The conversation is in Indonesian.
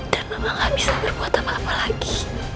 dan mama gak bisa berbuat apa apa lagi